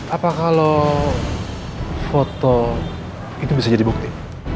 apakah lo foto itu bisa jadi bukti